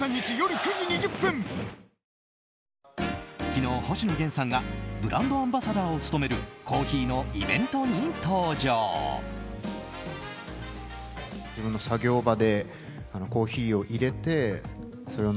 昨日、星野源さんがブランドアンバサダーを務めるコーヒーのイベントに登場。